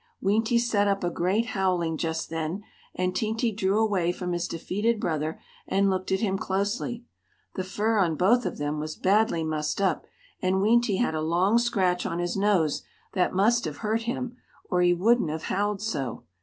Weenty set up a great howling, just then, and Teenty drew away from his defeated brother and looked at him closely. The fur on both of them was badly mussed up, and Weenty had a long scratch on his nose, that must have hurt him, or he wouldn't have howled so.